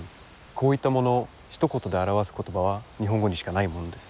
こういったものをひと言で表す言葉は日本語にしかないものです。